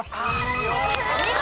お見事！